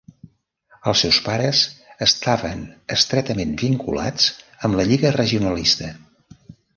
Els seus pares estaven estretament vinculats amb la Lliga Regionalista.